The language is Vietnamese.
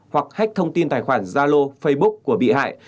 hoặc hách thông tin tài khoản zalo facebook của bị hại